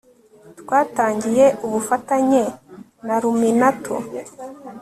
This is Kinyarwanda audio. twatangiye ubufatanye na luminato